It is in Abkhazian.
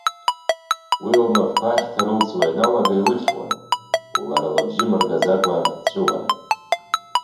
Уи лнапқәа ахьҭа рылҵуа ианалага илхьаауан, лара лыбжьы мыргаӡакәа дҵәуон.